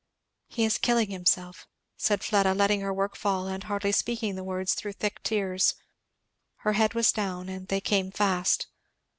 "He is killing himself! " said Fleda, letting her work fall and hardly speaking the words through thick tears. Her head was down and they came fast.